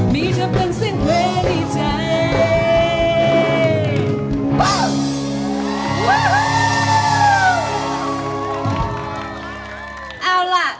มีเธอเป็นเสียงเวที่ใจ